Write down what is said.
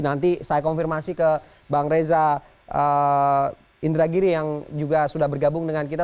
nanti saya konfirmasi ke bang reza indragiri yang juga sudah bergabung dengan kita